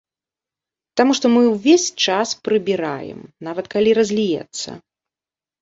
Таму што мы ўвесь час прыбіраем, нават калі разліецца.